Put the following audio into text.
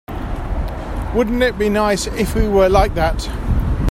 Wouldn't it be nice if we were like that?